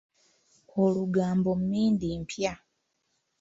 Olugambo mmindi mpya.